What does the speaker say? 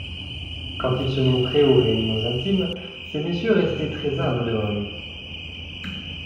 Quand il se montrait aux réunions intimes, ces messieurs restaient très-humbles devant lui.